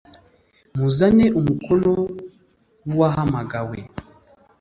muzane umukono w ‘uwahamagawe .